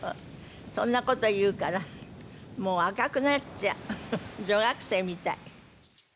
そんなこと言うからもう赤くなっちゃう女学生みたい。